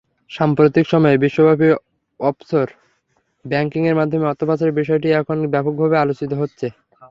সাম্প্রতিক সময়ে বিশ্বব্যাপী অফশোর ব্যাংকিংয়ের মাধ্যমে অর্থ পাচারের বিষয়টি এখন ব্যাপকভাবে আলোচিত হচ্ছে।